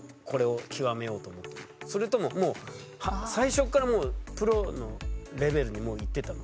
それとももう最初からプロのレベルにもういってたの？